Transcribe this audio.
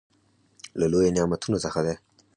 له لويو نعمتونو څخه دى.